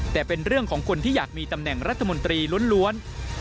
แต่เป็นเรื่องของคนที่อยากมีตำแหน่งรัฐมนตรีล้วน